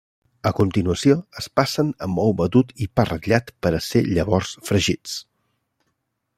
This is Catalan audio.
A continuació es passen amb ou batut i pa ratllat per a ser llavors fregits.